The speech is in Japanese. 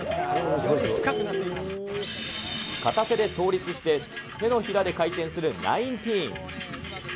片手で倒立して、手のひらで回転する１９９０。